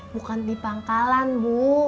bukan di pangkalan bu